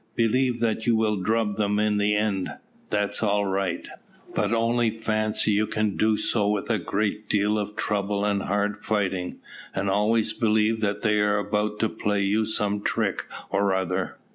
Believe that you will drub them in the end that's all right; but only fancy you can do so with a great deal of trouble and hard fighting, and always believe that they are about to play you some trick or other.